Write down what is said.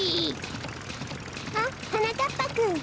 あっはなかっぱくん。